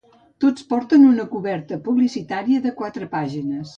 Tots porten una coberta publicitària de quatre pàgines.